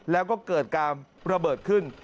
แล้วก็เกิดการระเบิดขึ้น